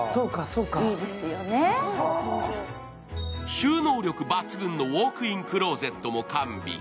収納力抜群のウオークインクローゼットも完備。